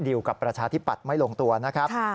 กับประชาธิปัตย์ไม่ลงตัวนะครับ